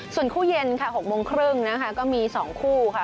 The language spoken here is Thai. ส่วนคู่เย็นค่ะ๖โมงครึ่งนะคะก็มี๒คู่ค่ะ